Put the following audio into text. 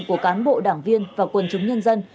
của cán bộ đảng viên và quần chúng nhân dân